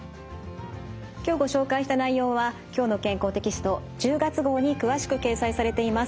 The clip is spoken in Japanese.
今日ご紹介した内容は「きょうの健康」テキスト１０月号に詳しく掲載されています。